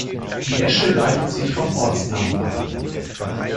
Die Esche leitet sich vom Ortsnamen ab.